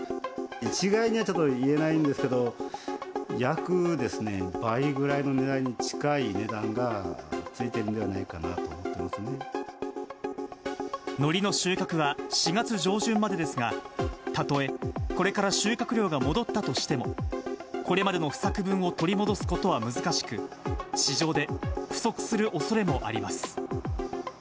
一概にはちょっと言えないんですけれども、約ですね、倍ぐらいの値段に近い値段がついているんではないかなと思っていのりの収穫は、４月上旬までですが、たとえこれから収穫量が戻ったとしても、これまでの不作分を取り戻すことは難しく、市場で不足するおそれもあります。